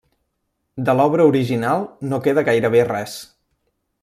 De l'obra original no queda gairebé res.